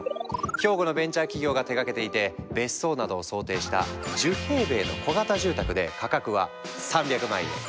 兵庫のベンチャー企業が手がけていて別荘などを想定した１０平米の小型住宅で価格は３００万円。